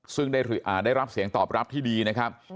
ซึ่งได้รับเสียงตอบรับที่ดีนะครับ